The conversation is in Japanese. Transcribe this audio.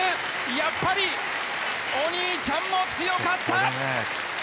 やっぱりお兄ちゃんも強かった！